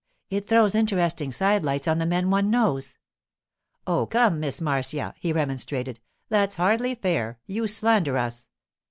It throws interesting side lights on the men one knows.' 'Oh, come, Miss Marcia,' he remonstrated. 'That's hardly fair; you slander us.